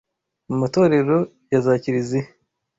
mu matorero ya za kiriziya